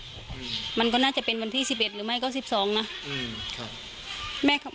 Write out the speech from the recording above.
อืมมันก็น่าจะเป็นวันที่สิบเอ็ดหรือไม่ก็สิบสองนะอืมครับแม่เขา